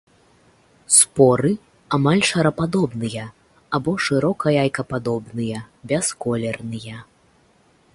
Споры амаль шарападобныя або шырока-яйкападобныя, бясколерныя.